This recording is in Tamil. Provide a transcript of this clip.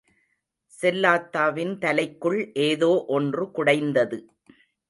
செல்லாத்தாவின் தலைக்குள் ஏதோ ஒன்று குடைந்தது.